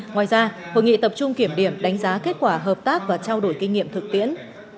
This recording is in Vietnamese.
ngoài ra hội nghị tập trung kiểm điểm đánh giá kết quả hợp tác và trao đổi kinh nghiệm thực tiễn